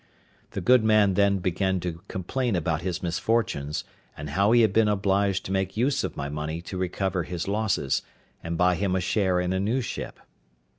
The good man then began to complain of his misfortunes, and how he had been obliged to make use of my money to recover his losses, and buy him a share in a new ship.